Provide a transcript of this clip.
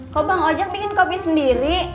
kok bang ojak bikin kopi sendiri